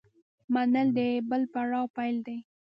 منل د بل پړاو پیل دی.